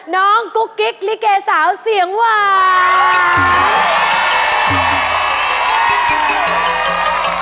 กุ๊กกิ๊กลิเกสาวเสียงหวาน